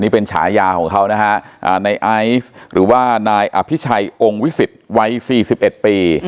นี่เป็นฉายาของเขานะฮะในไอซ์หรือว่านายอภิชัยองค์วิสิตวัย๔๑ปี